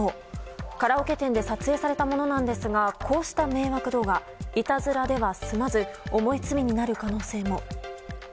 カラオケ店で撮影されたものなんですがこうした迷惑動画いたずらでは済まず重い罪になる可能性も。